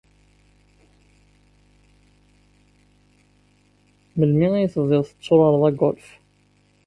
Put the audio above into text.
Melmi ay tebdiḍ tetturareḍ agolf?